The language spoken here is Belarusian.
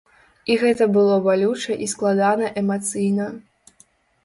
І гэта было балюча і складана эмацыйна.